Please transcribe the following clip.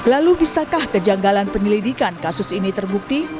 lalu bisakah kejanggalan penyelidikan kasus ini terbukti